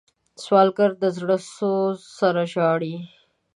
سوالګر د زړه سوز سره ژاړي